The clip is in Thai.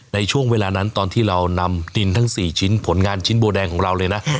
ในช่วงเวลานั้นตอนที่เรานำดินทั้ง๔ชิ้นผลงานชิ้นโบแดงของเราเลยนะ